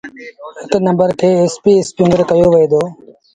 هڪ نمبر کي ايسپيٚ اسپيٚنگر ڪهيو وهي دو۔